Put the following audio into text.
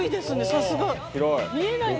さすが。